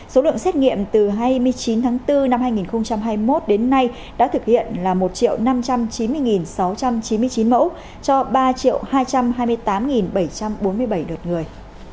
số lượng xét nghiệm từ hai mươi chín tháng bốn năm hai nghìn hai mươi một đến nay đã thực hiện là một năm trăm chín mươi sáu trăm chín mươi chín mẫu cho ba hai trăm hai mươi tám bảy trăm bốn mươi bảy đợt người